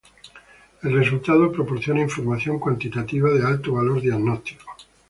El resultado proporciona información cuantitativa de alto valor diagnóstico.